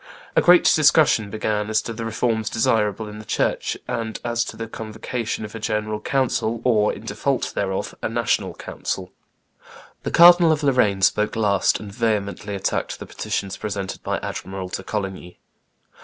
A great discussion began as to the reforms desirable in the church, and as to the convocation of a general council, or, in default thereof, a national council. The Cardinal of Lorraine spoke last, and vehemently attacked the petitions presented by Admiral de Coligny.